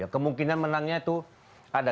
kemungkinan menangnya itu ada